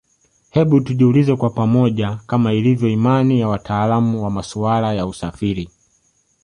Hebu tujiulize kwa pamoja Kama ilivyo imani ya watalaamu wa masuala ya usafiri